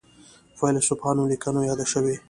فیلسوفانو لیکنو یاده شوې.